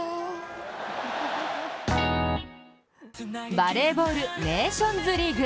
バレーボール・ネーションズリーグ。